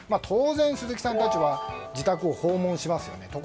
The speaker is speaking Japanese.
当然、鈴木さんたちは自宅を訪問しますよね。